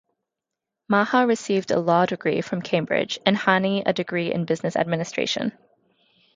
Maha received a law degree from Cambridge and Hani a degree in business administration.